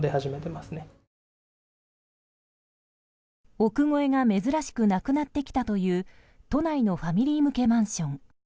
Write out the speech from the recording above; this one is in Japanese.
億超えが珍しくなくなってきたという都内のファミリー向けマンション。